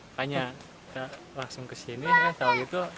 akhirnya langsung ke sini nggak tahu gitu